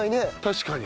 確かに。